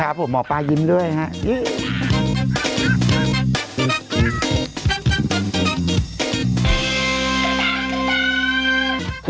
ครับผมหมอปลายิ้มด้วยครับ